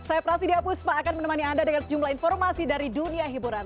saya prasidya puspa akan menemani anda dengan sejumlah informasi dari dunia hiburan